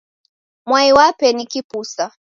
Mwai wape ni kipusa.